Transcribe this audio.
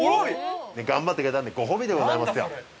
頑張ってくれたんでご褒美でございます。